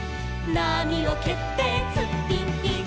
「なみをけってツッピンピン」